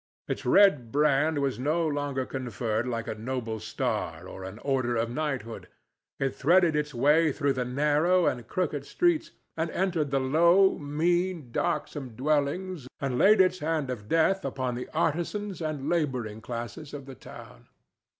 Its red brand was no longer conferred like a noble's star or an order of knighthood. It threaded its way through the narrow and crooked streets, and entered the low, mean, darksome dwellings and laid its hand of death upon the artisans and laboring classes of the town.